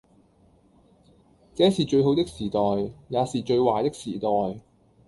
這是最好的時代，也是最壞的時代，